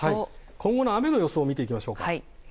今後の雨の予想を見ていきましょうか。